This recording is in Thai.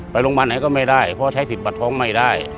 โรงพยาบาลไหนก็ไม่ได้เพราะใช้สิทธิบัตรท้องไม่ได้